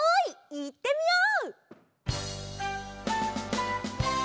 いってみよう！